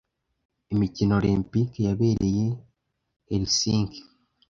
Imikino Olempike yabereye Helsinki